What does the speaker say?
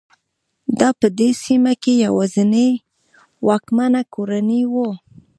دا په دې سیمه کې یوازینۍ واکمنه کورنۍ وه.